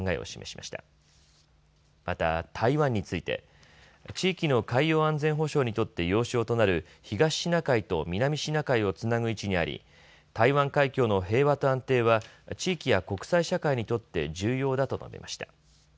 また台湾について地域の海洋安全保障にとって要衝となる東シナ海と南シナ海をつなぐ位置にあり台湾海峡の平和と安定は地域や国際社会にとって重要だと述べました。